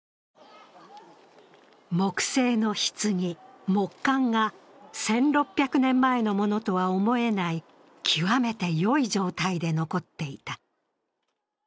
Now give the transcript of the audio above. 木製の棺、木棺が１６００年前のものとは思えない極めて良い状態で残っていた。